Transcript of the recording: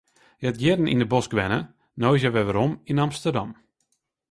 Hja hat jierren yn de bosk wenne, no is hja werom yn Amsterdam.